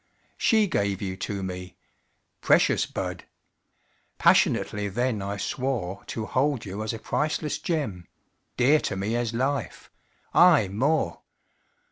She gave you to me. Precious bud! Passionately then I swore To hold you as a priceless gem, Dear to me as life aye more!